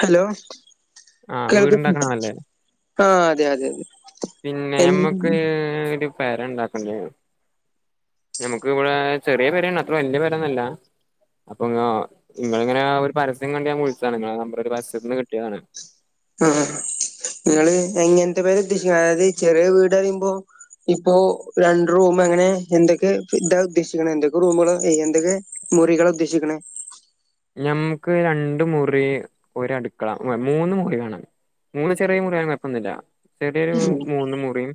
Hello ആ കേൾക്കുന്നില്ലേ വീടുണ്ടാക്കണാണല്ലേ ആഹ് അതെ അതെ അതെ പിന്നെ എൻ നമ്മക്ക് ഒരു പെര ഉണ്ടാക്കണ്ടയൊ ഞമ്മക്ക് ഇവിടെ ചെറിയ പേരയാണ്‌ അത്ര വല്യ പെരയൊന്നുമല്ല അപ്പൊ നിങ്ങൾ ഇങ്ങനെ ഒരു പരസ്യം കണ്ട് ഞാൻ വിളിച്ചതാണ് നിങ്ങളെ നമ്പറ് ഒരു പരസ്യത്തീന്ന് കിട്ടിയതാണ് നിങ്ങൾ എങ്ങനത്തെ പെരയാ ഉദ്ദേശിക്കുന്നത് അതായത് ഈ ചെറിയ വീടെന്ന് പറയുമ്പോ ഇപ്പൊ രണ്ട് റൂമ് എങ്ങനെ എന്തൊക്കെ ഇതാ ഉദ്ദേശിക്കണെ എന്തൊക്കെ റൂമുകളാ എന്തൊക്കെ മുറികളാ ഉദ്ദേശിക്കണേ ഞമ്മക്ക് രണ്ട് മുറി ഒരു അടുക്കള മൂന്ന് മുറി വേണം മൂന്ന് ചെറിയ മുറിയാണേൽ കൊയപ്പൊന്നില്ല ചെറിയൊരു മൂന്ന് മുറിയും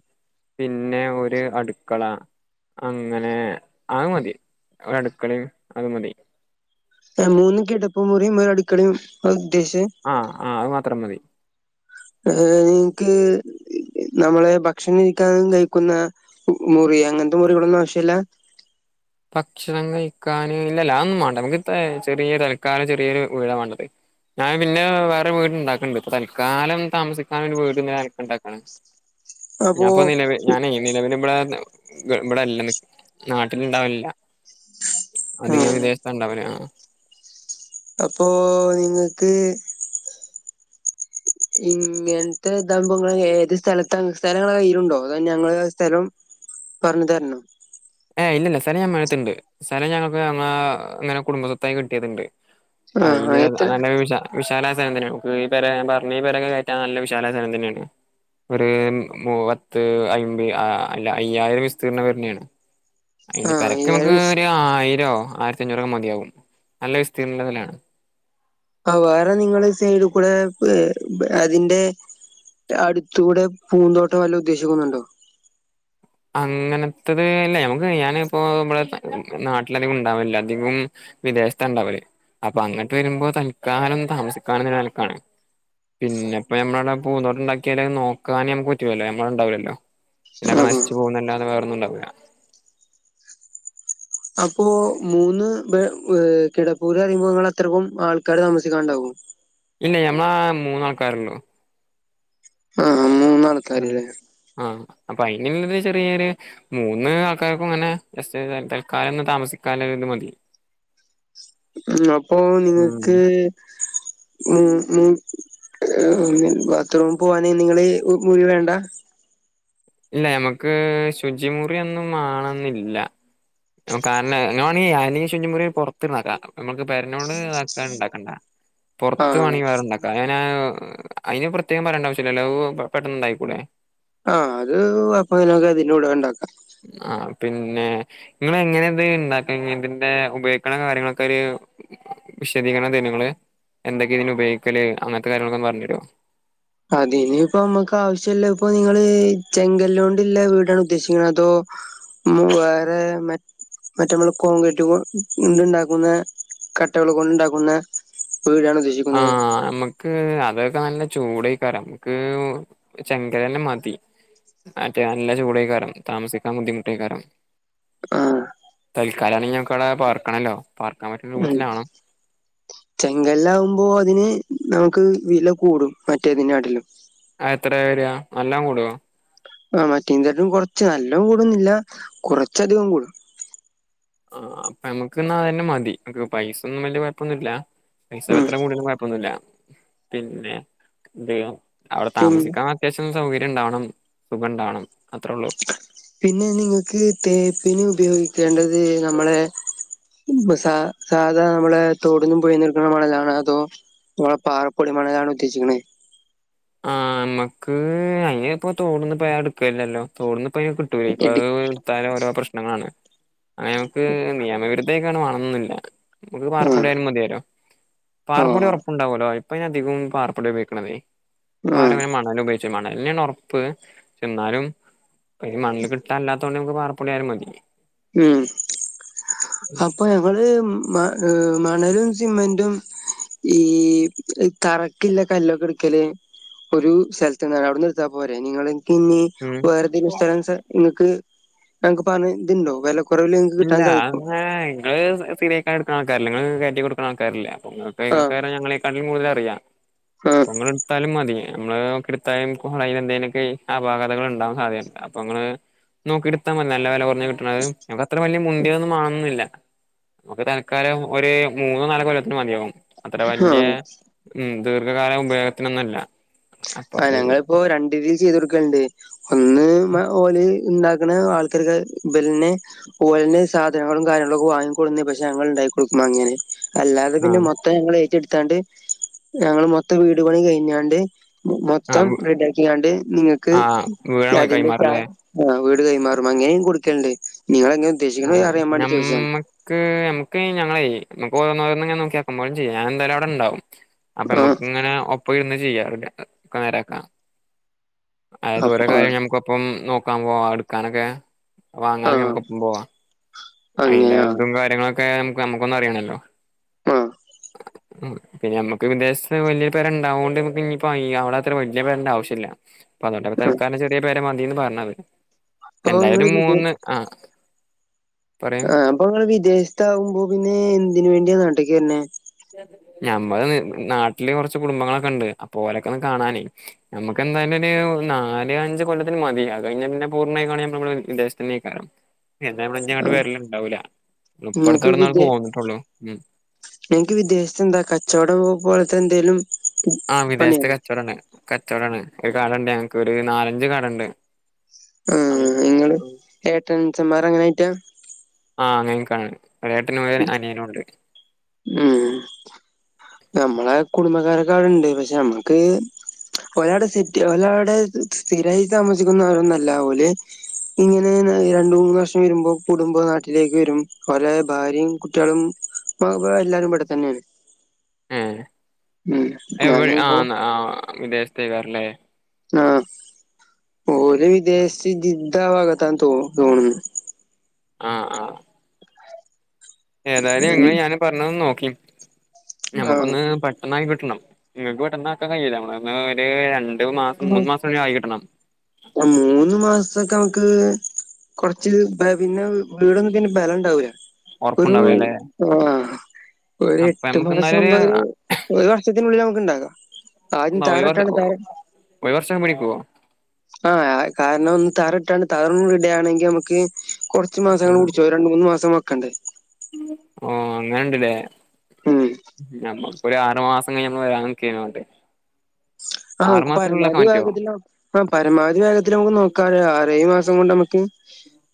പിന്നെ ഒരു അടുക്കള അങ്ങനെ അത് മതി ഒരു അടുക്കളയും അത് മതി ആഹ് മൂന്ന് കിടപ്പ് മുറിയും ഒരു അടുക്കളയും ഉദ്ദേശിച്ചേ ആഹ് ആഹ് അത് മാത്രം മതി ഏ നിങ്ങക്ക് നമ്മള് ഭക്ഷണം ഇരിക്കാനും കഴിക്കുന്ന മുറി അങ്ങനത്തെ മുറികളൊന്നും ആവശ്യവില്ല ഭക്ഷണം കഴിക്കാന് ഇല്ലില്ല അതൊന്നും വേണ്ട നമുക്ക് ഇപ്പൊ ചെറിയൊരു തൽക്കാലം ചെറിയൊരു വീടാ വേണ്ടത് ഞാൻ പിന്നെ വേറെ വീടുണ്ടാക്കണ്ട് ഇപ്പൊ തൽക്കാലം താമസിക്കാൻ ഒരു വീടിങ്ങനെ [unintelligible] ഉണ്ടാക്കാണ് അപ്പോ ഞാനിപ്പൊ നിലവിൽ ഞാനെ നിലവിൽ ഇവിടെ ഇവിടല്ല നാട്ടിൽ ഇണ്ടാവലില്ല ആ അത് ഞാൻ വിദേശത്താ ഉണ്ടാവല് ആഹ് അപ്പോ ഇങ്ങക്ക് ഇങ്ങനത്തെ ഇതാവുമ്പോ നിങ്ങൾ ഏത് സ്ഥലത്താണ് സ്ഥലം ഇങ്ങടെ കയ്യിലുണ്ടോ അതോ ഞങ്ങള് സ്ഥലം പറഞ്ഞു തരണോ ഏഹ് ഇല്ലില്ല സ്ഥലം ഞമ്മളിടത്തുണ്ട് സ്ഥലം ഞങ്ങക്ക് ഞങ്ങ അങ്ങനെ കുടുംബ സ്വത്തായി കിട്ടിയതുണ്ട് അയിന് ആഹ് എത്ര നല്ല പ്ലെയ്സാ വിശാലായ സ്ഥലം തന്നയാ നമ്മക്ക് ഈ പെര ഞാൻ പറഞ്ഞ ഈ പെരയൊക്കെ കേറ്റാൻ നല്ല വിശാലായ സ്ഥലം തന്നെയാണ് ഒരു മൂ പത്ത് അയ്മ്പ അല്ല അയ്യായിരം വിസ്തീർണം വരുന്നയാണ് അയിന് ആഹ് പെരക്ക്‌ അയ്യായിരം നമുക്ക് വെച്ച് ഒരു ആയിരവോ ആയിരത്തി അഞ്ഞൂറോ മതിയാവും നല്ല വിസ്തീർണ്ണത്തിലാണ് ആഹ് വേറെ നിങ്ങൾ സൈഡിൽ കൂടെ അതിന്റെ അടുത്തൂടെ പൂന്തോട്ടവോ വല്ലോ ഉദ്ദേശിക്കുന്നുണ്ടോ അങ്ങനത്തേത് അല്ലേ നമക്ക് ഞാൻ ഇപ്പോ നമ്മ നാട്ടിലധികം ഉണ്ടാവലില്ല അധികം വിദേശത്താ ഉണ്ടാവല് അപ്പൊ അങ്ങോട്ട് വരുമ്പോ തൽക്കാലം താമസിക്കാനുള്ള നിലക്കാണ് പിന്നെപ്പ ഞമ്മൾ അവിടെ പൂന്തോട്ടുണ്ടാക്കിയാലും നോക്കാനും നമുക്ക് പറ്റുലല്ലോ നമ്മളുണ്ടാവില്ലല്ലോ പിന്നൊക്കെ ആഹ് നശിച്ചു പോവുന്നല്ലതെ വേറോന്നുണ്ടവില്ല അപ്പോ മൂന്ന് ബെ കിടപ്പൂരയുമ്പോ നിങ്ങൾ അത്രക്കും ആൾക്കാര് താമസിക്കാണ്ടാവോ ഇല്ലേ നമ്മൾ മൂന്നാൾക്കാരുള്ളൂ ആഹ് മൂന്നാൾ ആഹ് ആഹ് അപ്പൊ അയിനുള്ളത് ചെറിയൊരു മൂന്ന് ആൾക്കാര്ക്കും ഇങ്ങനെ ജെസ് തൽക്കാലം ഒന്ന് താമസിക്കാൻല വീട് മതി. ഉം അപ്പൊ ഉം നിങ്ങക്ക് ഉം ഉം. ബാത്റൂമിൽ പോവാന് നിങ്ങള് മുറി വേണ്ട. ല്ലാ ഞമ്മക്ക് ശുജിമുറി ഒന്നും മാണെന്നില്ല. ഹ്മ് കാർണം [unintelligible] ശുജിമുറി പൊർത്ത്ന്നാക്കാം നമ്മക്ക് പെര്നോട് ആക്കാൻ ഇണ്ടാക്കണ്ട. [inaudible] പൊർത്ത് ആഹ് വാണെങ്കി വേറണ്ടാക്കാം ഞാനഹ് അയ്ന് പ്രത്യേകം പറയണ്ട ആവ്ശ്യല്ലല്ലോ ഊഹ് പെട്ടന്നുണ്ടായിക്കൂടെ. ആഹ് അത് അപ്പോഹ്നൊക്കെ അതിൽ കൂട് തന്നെ ഇണ്ടാക്കാ. ആഹ് പിന്നെ. ഇങ്ങളെങ്ങനെത് ഇണ്ടാക്ക്‌ങ്ങ്തിന്റെ ഉപയോഗിക്ക്‌ണ കാര്യങ്ങളൊക്കെ ഒര്. വിശദീകരണം തരോ ങ്ങള് എന്തൊക്കെതിന് ഉപയോഗിക്കല് അങ്ങൻത്തെ കാര്യങ്ങളൊക്കൊന്ന് പറഞ്ഞരോ? അതിന് ഇപ്പം അമ്മക്ക് ആവ്ശ്യല്ലപ്പൊ നിങ്ങള് ചെങ്കല്ലോണ്ട്ല്ല വീടാണോ ഉദ്ദേശിക്കുന്ന അതോ? ഹ്മ് വേറെ മ മറ്റ അമ്മള് കോൺക്രീറ്റ് കൊഹ് ണ്ട്ണ്ടാക്കുന്ന കട്ടകൾ കൊണ്ടുണ്ടാക്കുന്ന. വീടാണ്ദ്ശ്. ആഹ് അമ്മ. ക്ക് അതൊക്കെ നല്ല ചൂടേക്കാരം മുക്ക് ചെങ്കല്ലന്നമതി. മറ്റേ നല്ല ചൂടേക്കാരം താമസിക്കാൻ ബുദ്ധിമുട്ടേക്കാരം. ആഹ് തൽക്കാലാണെങ്കി ഞങ്ങ്ക്കൗടെ പാർക്കണല്ലോ പാർക്കാൻ പറ്റ്ന്ന ഉം രൂപത്തിലാണം. ചെങ്കല്ലാവുമ്പോ അതിന് നമുക്ക് വില കൂടും മറ്റേതിനാട്ടിലും. അഎത്രെ വരാ നല്ലം കൂടോ? ആഹ് മറ്റീങ്കാട്ടും കൊറച്ച് നല്ലും കൂടൊന്നുല്ല കുറച്ചധികം കൂടും. ആഹ് അപ്പൊ അമ്മക്ക് അതന്നെ മതി ഇൻക് പൈസൊന്നും വല്യ കൊയ്പ്പൊന്നുല്ല. ഉം പൈസത്ര കൂടിയാലും കൊയപ്പൊന്നുല്ല പിന്നെ എന്തെയ്യും അവ്ടെ പിന്നെ താമസിക്കാൻ. അത്യാവ്ശ്യം സൗകര്യം ഇണ്ടാവണം സുഖം ഇണ്ടാവണം അത്രള്ളൂ. പിന്നെ നിങ്ങക്ക് തേപ്പ്ന് ഉപയോഗിക്കേണ്ടത് മ്മളെ. ഹ്മ് സാ സാധാ അമ്മളെ തോടുന്നും പോയേന്നും ഇട്ക്ണ മണലാണോ അതോ. [unintelligible] പാറപ്പൊടി മണലാണോ ഉദ്ദേശിക്ക്‌ണേ? ആഹ് അമ്മക്ക് അങ്ങനെപ്പൊ തോട്ന്ന്പ്പ ഞാ ഇട്ക്കൽലല്ലോ തോട്ന്ന്പ്പയ് കി. ട്ട് ഇടി പഹ് എടുത്താലോരോ പ്രശ്നങ്ങളാണ് അങ്ങനങ്ങക്ക് നിയമവിരുദ്ധേ. ക്കങ്ങനെ വാണംന്ന്ല്ല മക്ക് ആഹ് പാറപ്പൊടിയാലും മതിയരൊ പാറപ്പൊടി ആഹ് ഒർപ്പുണ്ടാവല്ലോ ഇപ്പ ഞാ അധികു പാറപ്പൊടി ഉപോഗിക്ക്‌ണതെ. ഇപ്പ ആരു ആഹ് അങ്ങനെ മണൽ ഉപയോയ്ച്ച് മണൽന്നേണ് ഒറപ്പ് എന്നാലും. ഇപ്പഅയിന് മണൽ കിട്ടാല്ലാത്തോണ്ട് നമക്ക് പറപ്പൊടിയാലും മതി. ഉം അപ്പൊ ഞങ്ങള് മ മണലും സിമെന്റും. ഈഹ് തറക്കില്ല കല്ലൊക്കെട്ക്കല്. ഒരു സെൽത്ത്ന്നാണ് അവ്ട്ന്ന് ഇട്ത്താപ്പോരെ നിങ്ങളി. പിന്നെ ഉം വേറെതെങ്കിലും സ്ഥലം വെച്ചാ ഇങ്ങക്ക് ഇങ്ങക്ക് പറഞ്ഞ പ ഇതുണ്ടോ വെല കൊറവില് ഇങ്ങക്ക് കിട്ടാൻ സാധിക്കും. അഹ് സ് [unintelligible] ആൾക്കാരെല്ലെ ങ്ങള് കയറ്റി കൊട്ക്ക്ണ ആൾക്കാര്ല്ലെ അപ്പങ്ങ ആഹ് [unintelligible] ഞങ്ങളെ. ക്കാലും കൂടുതലറിയാ ആഹ് പ്പങ്ങള്ട്ത്താലും മതി. നമ്മള് ഓക്കിട്ത്താലും കും അയിലെന്തേലൊക്കെ അപാകതകൾ ഇണ്ടാവാൻ സാധ്യത അപ്പൊ ഇങ്ങള്. നോക്കിട്ത്താ മതി നല്ല വെല കൊർഞ്ഞ് കിട്ട്ണഹ്. നമക്ക് അത്ര വല്യ മുന്തിയൊന്നും മാണണംന്നില്ല മുക്ക് തൽക്കാലം ഒര് മൂന്നോ നാലോ കൊല്ലത്തിന് മത്യാവും. അത്ര വല്യ ആഹ് ഉം ദീർഘകാലം ഉപയോഗത്തിനൊന്നുല്ല. ആഹ് ഞങ്ങളിപ്പോ രണ്ട് രീതി ചെയ്തൊട്ക്കണ്ട് ഒന്ന് മ ഓല് ഇണ്ടാക്ക്ണ ആൾക്കാര്ക്കെ ബലെന്നെ ഓലെന്നെ സാധനങ്ങളും കാര്യങ്ങളൊക്കെ വാങ്ങിക്കൊട്ന്ന് പക്ഷേ ഞങ്ങൾ ഇണ്ടാക്കി കൊട്ക്കു അങ്ങനെ അല്ലാതെ പിന്നെ ആഹ് മൊത്തം ഞങ്ങൾ ഏറ്റെട്ത്താണ്ട് ഞങ്ങള് മൊത്തം വീട്പണി കയ്ഞ്ഞാണ്ട് മൊത്തം ആഹ് റെഡിയാക്കിയാണ്ട് നിങ്ങക്ക് ആഹ് വീഴാൻ പോയി അതിന്റെ ച കൈമാറല്ലേ ആഹ് വീട് കൈമാറും അങ്ങനെയും കൊടുക്കണണ്ട് നിങ്ങളെങ്ങനെ ഉദ്ദേശിക്കണ് അറിയാൻ വേണ്ടി ചോദിച്ചയാണ് നക്ക് നമക്ക് ഞങ്ങള് നമക്ക് ഓരോന്നോരോന്ന് നോക്കിയക്കുമ്പോഴും ചെയ്യ ഞാൻ എന്തായാലും അവിടെ ഉണ്ടാവും. അപ്പൊ ആഹ് നമ്മുക്ക് ഇങ്ങനെ ഒപ്പം ഇരുന്ന് ചെയ്യാക്കെ നേരാക്ക അതത് അപ്പ ഓരോ കാര്യം ആഹ് നമുക്കൊപ്പം നോക്കാൻ പോവാ എടുക്കാനൊക്കെ വാങ്ങാനൊക്കെ ആഹ് നമുക്കൊപ്പം പോവാ അങ്ങനെ അതിന്റെ ആഹ് ഇതും കാര്യങ്ങളൊക്കെ നമക്ക് നമ്മുക്കൊന്നും അറിയണല്ലോ ആഹ് പിന്നെ നമുക്ക് വിദേശത്ത് വലിയ പേരുണ്ടാവുക കൊണ്ട് ഇപ്പോ അവിടെ അത്ര വലിയ പേരിന്റെ ആവശ്യമില്ല. അപ്പൊ അതോണ്ട് ആഹ് തൽക്കാലം ചെറിയ ഒരു പേര മതിന്ന് പറഞ്ഞത് അപ്പൊ നിങ്ങള് എന്തായാലും വിദേ മൂന്ന് ആഹ് പറയൂ ആഹ് അപ്പൊ നിങ്ങൾ വിദേശത്താകുമ്പോ പിന്നെ എന്തിന് വേണ്ടിയ നാട്ടേക്ക് വരണേ ഞമ്മള് നാട്ടില് കുറച്ച് കുടുംബങ്ങളൊക്കെ ഉണ്ട് അപ്പൊ ഓരൊക്കെ ഒന്ന് കാണാനേ ന എന്നിക്ക് എന്തായാലും ഒരു നാല് അഞ്ച് കൊല്ലത്തിന് മതി അത് കഴിഞ്ഞൽ പിന്നെ പൂർണ്ണമായി നമ്മൾ വിദേശത്ത് തന്നെയാകും എന്തമ്മള് അങ്ങോട്ട് ആഹ് വരല്ലണ്ടാവൂല നിങ്ങക്ക് ഇപ്പടത്തെവിടെന്നാള് പോന്നിട്ടുള്ളൂ ഉം നിക്ക് വിദേശത്ത് എന്താ കച്ചവടം പോലത്തെ എന്തേലും ആഹ് വിദേശത്ത് പണിയാണോ കച്ചവടാണ് കച്ചവടാണ് ഒരു കടയുണ്ട് ഞങ്ങക്ക് ഒരു നാലഞ്ച് കടയുണ്ട് ഉം നിങ്ങള് ഏട്ടൻ സ്ന്മാർ അങ്ങനൊയിട്ടാ ആഹ് അങ്ങനക്കാണ് ഒരു ഏട്ടനും ഒരു അനിയനുണ്ട് ഉം നമ്മളെ കുടുംബക്കാരക്കൊടുണ്ട് പക്ഷെ നമ്മക്ക് ഒരാവിടെ സെറ്റ് ഒരാവിടെ സ്ഥിരായി താമസിക്കുന്നവരൊന്നല്ല ഓല് ഇങ്ങനെ രണ്ട് മൂന്ന് വർഷം വരുമ്പോ കൂടുമ്പോ നാട്ടിലേക്ക് വരും അവര് ഭാര്യയും കുട്ടികളും പ്പൊ വ എല്ലാരും ഇവിടെ തന്നെയാണ്. ഏഹ് ഉം എവി ഞാനിപ്പോ ആഹ് ആഹ് വിദേശത്തേക്കാറല്ലേ ആഹ് ഓര് വിദേശ് ജിദ്ദ ഭാഗത്താണ് തോ തോന്നുന്നു ആഹ് ആഹ് ഏതായാലും നിങ്ങള് ഞാൻ പറഞ്ഞന്ന് നോക്കി നമുക്കൊന്ന് ആഹ് പേ ഒന്നായി കിട്ടണം നിങ്ങക്ക് പെട്ടെന്ന് ആക്കൻ കഴിയില്ല നമ്മള് ഒ ഒരു രണ്ടു മാസം മൂന്ന് മാസം ആയി കിട്ടണം ആഹ് മൂന്ന് മാസൊക്കെ നമുക്ക് കുറച്ച് ബ പിന്നെ വീടൊന്നും പിന്നെ ബലം ഉണ്ടാവൂല്ല ഒരു ഉറപ്പുണ്ടാവൂലല്ലേ ആഹ് ഒരു അപ്പൊ എട്ട് നമുക്ക് മാസം എന്നാലൊരു മുമ്പോ ഒരു ഒരു വർഷത്തിനുള്ളിൽ നമുക്ക് ഉണ്ടാക്കാം ആദ്യം ആഹ് ഒരുവർ താറിട്ടാണ് ഓ താറ ഒരുവർഷം പിടിക്കുവോ ആഹ് കാരണം ഒന്ന് തറ ഇട്ടണ്ട് തറുഡിടുയാണെങ്കി നമുക്ക് കുറച്ച് മാസങ്ങൾ കൂടി ചോ രണ്ട് മൂന്ന് മാസം വെക്കണ്ടേ ഓ അങ്ങനണ്ടല്ലേ ഉം ഞമ്മ ഒരു ആറു മാസം കഴിഞ്ഞിമ് വരൻ നിക്കുവരുന്നു അങ്ങട്ട് ആഹ് ആറു നക്ക് മാസത്തിനുള്ളിലാക്കാൻ പരമാവധി പറ്റുവോ വേഗത്തില്ല ആഹ് പരമാവധി വേഗത്തിൽ നമുക്ക് നോക്കാല ആറ് ഏഴ് മാസം കൊണ്ട് നമ്മുക്ക്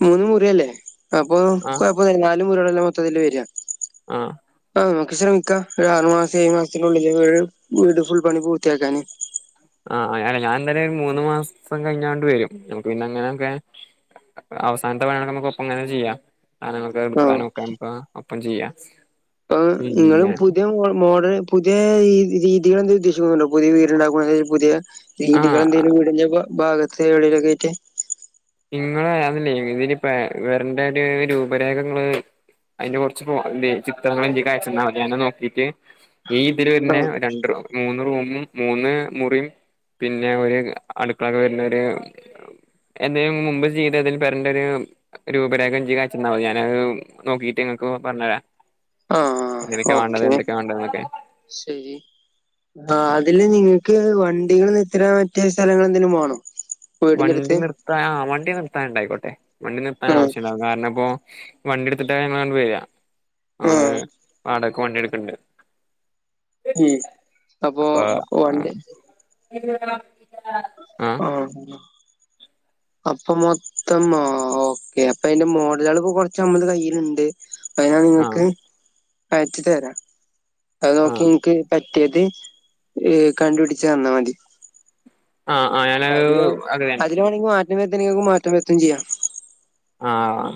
മൂന്ന് മുറില്ലേ അപ്പൊ ആഹ് കൊഴപ്പം ഒന്നുല്ല നാലുമുറികളല്ലെ മൊത്തത്തിൽ വരിക ആഹ് ആഹ് നമുക്ക് ശ്രമിക്കാം ഒരു ആറു മാസം ഏഴ് മാസത്തിനുള്ളിൽ വീട് ഫുൾ പണി പൂർത്തിയാക്കാന് ആഹ് അല്ലെ ഞാൻ എന്തായാല് ഒരു മൂന്ന് മാസം കഴിഞ്ഞാണ്ട് വരും നമക്ക് പിന്നെ അങ്ങനെ നിക്ക അവസാനത്തെ വേഗങ്ങനെ ഒപ്പം അങ്ങനെ ചെയ്യാം ആഹ് നമ്മുക്ക് ആഹ് എടുക്കാനും വയ്ക്കാനൊക്ക ഒപ്പം ചെയ്യാം അപ്പ നിങ്ങളും പിന്നെ പുതിയോ മോ മോഡല് പുതിയ രീതി രീതികൾ എന്ത് ഉദ്ദേശിക്കുന്നുണ്ടോ പുതിയ വീട് ഉണ്ടാക്കുവാൻ പുതിയ രീതികൾ ആഹ് എന്തെങ്കിലും വീടിന്റെ ഭ ഭാഗത്ത് എവിടലൊക്കെ ആയിട്ട് നിങ്ങള് അതിലെ ഇതില്പ് വരണ്ട ഒരു രൂപരേഖങ്ങള് അതിന്റെ കുറച്ച് ചിത്രങ്ങള് എന്റെയിലേക്ക് അയച്ചു തന്നാമതി അതിന നോക്കീട്ട് ഈ ഇതില് പിന്നെ ആഹ് രണ്ട് മൂന്ന് റൂമും. മൂന്ന് മുറിയും പിന്നെ ഒരു അടുക്കളക്കെ വരുന്ന ഒരു എന്തേനും മുമ്പ് ചെയ്തതിൽ പെരന്റര് രൂപരേഖ എന്റെക്കി അയച്ചെന്ന മതി ഞാനത് നോക്കിട്ട്ങ്ങക്ക് പറഞ്ഞരെ ആഹ് ആഹ് ഓക്കെ വേണ്ടതെന്നൊക്കെ ശെരി ആ അതില് നിങ്ങക്ക് വണ്ടികൾ നിർത്തിടാൻ പറ്റിയ സ്ഥലങ്ങള് എന്തേലും വാണോ വണ്ടി നിർത്താൻ ആഹ് വണ്ടി നിർത്താന്ണ്ടായിക്കോട്ടെ വണ്ടി നിർത്താൻ ആഹ് ആവശ്യംണ്ടാവും കാരണപ്പോ വണ്ടി എടുത്തിട്ട് ഞങ്ങള അങ്ങണ്ട് വര ഞങ്ങള് ആഹ് വാടക്ക് വണ്ടി എട്ക്ക്ണ്ട് ഉം അപ്പൊ അഹ് വണ്ടി ഓന്ന് അപ്പൊ മൊത്തം ഓക്കേ അപ്പൊ അയിന്റെ മോഡല്കള്പ്പം കൊറച്ച് ഞമ്മള്ത് കയ്യില്ണ്ട് അത് ഞാൻ ആഹ് ഇങ്ങക്ക് അയച്ച് തരാ അത് നോക്കി ആഹ് ഇന്ക്ക് പറ്റിത് കണ്ടുപിടിച്ച് തന്നാ മതി ആഹ് ആഹ് ഞാന് അതിൽ അതില് വേണങ്കി മാറ്റം വെര്ത്തണെങ്കി ഇങ്ങക്കെ മാറ്റം വര്ത്തും ചെയ്യ ആഹ്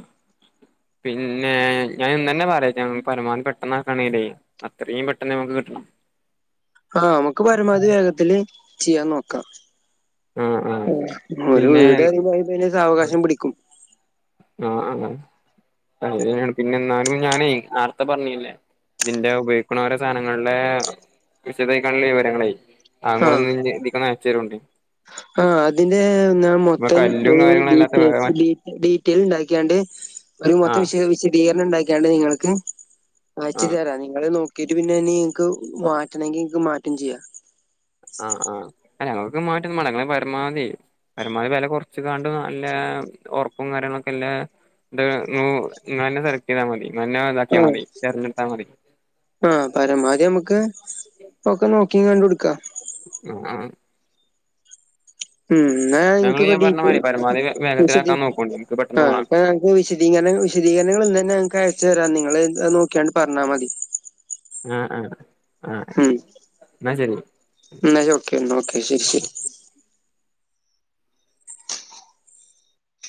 പിന്നെ ഞാൻ ഇന്ന്നെ പറയാ പരമാവതി പെട്ടെന്ന് ആക്കണേലേ അത്രയും പെട്ടെന്ന് ഞമ്മക്ക് കിട്ടണം ആഹ് അമ്മക്ക് പരമാവധി വേഗത്തില് ചിയ്യാൻ നോക്ക ആഹ് ആഹ് ഒര് പിന്നെ വീട്റയുമ്പോ അഹ്പ്പയിന് സാവകാശം പിടിക്കും ആഹ് ആഹ് അങ്ങനാണ് പിന്നെന്നാലും ഞാനേയ് നാർത്തെ പറഞ്ഞില്ലേ ഇതിന്റെ ഉപയോഗിക്കുന്ന ഓരോ സാധനങ്ങളിലെ വിസതൈക്കാറുള്ള വിവരങ്ങളായി. അങ്ങളെന്ന് ഇതി കൊന്ന് അയച്ചെരൂണ്ടി ആഹ് അതിന്റെ ഞാൻ മൊത്തം കല്ലും ഒരു കാര്യങ്ങളും അല്ലാത്ത വേറെ ഡീറ്റേൽസ്ൽ ഡീറ്റെയിൽ ണ്ടാക്കിയാണ്ട് ഒരു മൊത്തം ആഹ് വിശ വിശദീകരണം ണ്ടാക്കിയാണ്ട് നിങ്ങൾക്ക് അയച്ചു ആഹ് തരാ നിങ്ങള് നോക്കിട്ട് പിന്നെ നീങ്ങക്ക് മാറ്റണെങ്കി ഇങ്ങക്ക് മാറ്റും ചെയ്യാം ആഹ് ആഹ് ഞക്ക് മാറ്റൊന്നു മാണ്ട ഞങ്ങള് പരമാതി പരമാവതി വെല കൊറച്ച് കാണ്ട് നല്ല ഒറപ്പും കാര്യങ്ങളൊക്കെല്ലെ ണ്ട്ന്നു ഇങ്ങളെന്നെ സെലക്ട് ചെയ്താ മതി ഇങ്ങളന്നെ താക്കിയാ മതി എറിഞ്ഞ്ട്ടാ മതി ആഹ് പരമാവധി അമ്മക്ക് ഒക്കെ നോക്കി കണ്ടുട്ക്ക [unintelligible] ഉം ന്നാ ഞങ്ങള് ഇന്ക്ക്പ്പ ഞാൻ ടി പറഞ്ഞ മാതിരി പരമാവധി വിശതി വേഗത്തിലാക്കാൻ നോക്കോണ്ടി നമുക്ക് ആ പെട്ടെന്ന് വാണം പ്പ വിശദീകരണങ്ങൾ വിശദീകരണങ്ങള് ഇന്ന് തന്നെങ്ങക്ക് അയച് തരാ നിങ്ങള് നോക്കിയാണ്ട് പറഞ്ഞ മതി ആഹ് ആഹ് ആഹ് എന്നാ ശെരി നാഴ് ഓക്കെ എന്ന ഓക്കെ ശെരി ശെരി